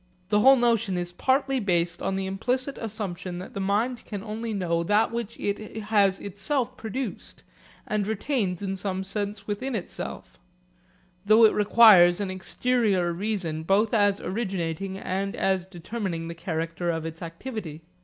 The whole notion is partly based on the implicit assumption that the mind can only know that which it has itself produced and retains in some sense within itself, though it requires an exterior reason both as originating and as determining the character of its activity.